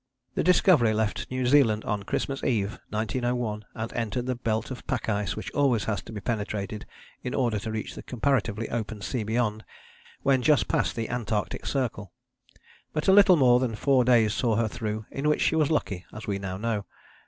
The Discovery left New Zealand on Christmas Eve 1901, and entered the belt of pack ice which always has to be penetrated in order to reach the comparatively open sea beyond, when just past the Antarctic Circle. But a little more than four days saw her through, in which she was lucky, as we now know.